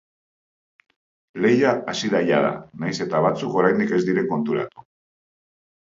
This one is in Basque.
Lehia hasi da jada, nahiz eta batzuk oraindik ez diren konturatu.